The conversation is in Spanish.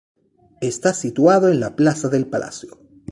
Está situado en el Plaza del Palacio.